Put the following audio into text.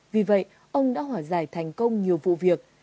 vì vậy ông đã hòa giải thành công nhiều vụ việc